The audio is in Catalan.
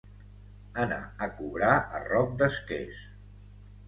Anar a cobrar a Roc d'Esques.